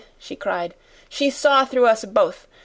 she cried. "She saw through us both.